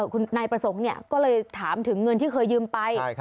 คุณนายประสงค์ก็เลยถามถึงเงินที่เคยยืมไป